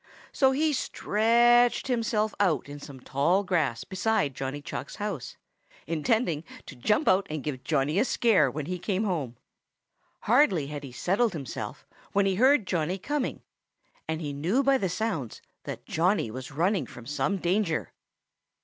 So he stretched himself out in some tall grass beside Johnny Chuck's house, intending to jump out and give Johnny a scare when he came home. Hardly had he settled himself when he heard Johnny coming, and he knew by the sounds that Johnny was running from some danger.